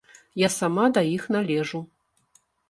Я сама да іх належу.